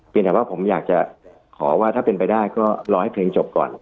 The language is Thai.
เป็นแต่ว่าผมอยากจะขอว่าถ้าเป็นไปได้ก็รอให้เพลงจบก่อน